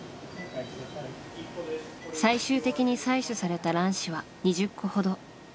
最終的に採取された卵子は２０個ほど。